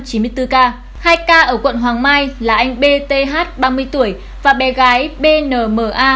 hai ca ở quận hoàng mai là anh bth ba mươi tuổi và bé gái bnma